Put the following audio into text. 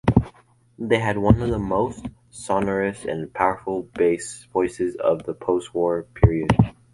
They had one of the most sonorous and powerful bass voices of the postwar period.